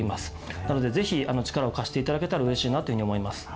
なので、ぜひ力を貸していただけたらうれしいなというふうに思います。